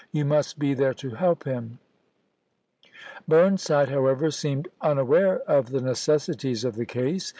You must be there to help him." Burn side, however, seemed unaware of the necessities of the case.